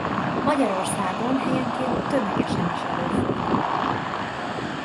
Magyarországon helyenként tömegesen is előfordul.